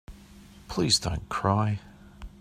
Please don't cry.